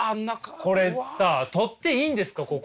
これさ撮っていいんですかここ。